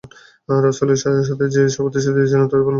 রাসূলের সাথে যে প্রতিশ্রুতি দিয়েছিলেন তা পালন করলেন।